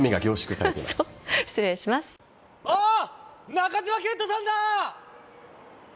中島健人さんだ！